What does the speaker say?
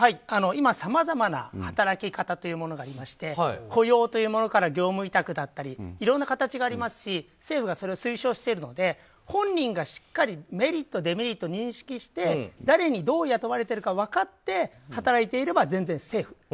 今、さまざまな働き方がありまして雇用というものから業務委託だったりいろんな形がありますし政府がそれを推奨しているので本人がしっかりメリット、デメリットを認識して誰にどう雇われているか分かって働いていれば全然セーフ。